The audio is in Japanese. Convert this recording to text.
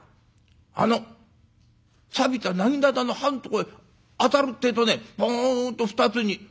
あのさびたなぎなたの刃んとこへ当たるってえとねパンっと二つに。